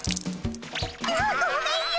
ああっごめんよ！